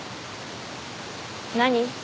何？